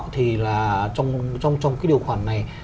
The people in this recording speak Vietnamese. thì trong cái điều khoản này